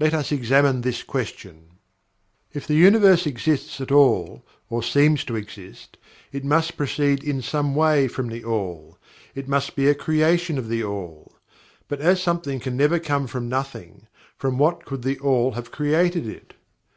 Let us examine this question. If the Universe exists at all, or seems to exist, it must proceed in some way from THE ALL it must be a creation of THE ALL. But as something can never come from nothing, from what could THE ALL have created it.